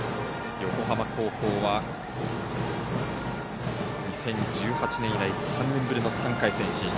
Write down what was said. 横浜高校は２０１８年以来３年ぶりの３回戦進出。